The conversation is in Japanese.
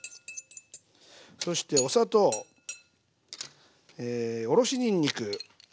そしてお砂糖おろしにんにく。